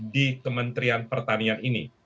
di kementerian pertanian ini